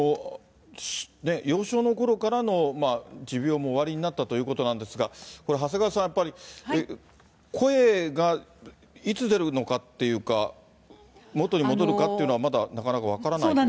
幼少のころからの持病もおありになったということなんですが、これ長谷川さん、やっぱり、声がいつ出るのかっていうか、元に戻るかっていうこともなかなか分からない？